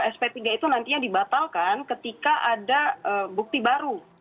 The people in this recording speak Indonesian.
sp tiga itu nantinya dibatalkan ketika ada bukti baru